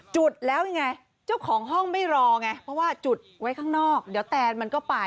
จุดแล้วยังไงเจ้าของห้องไม่รอไงเพราะว่าจุดไว้ข้างนอกเดี๋ยวแตนมันก็ไป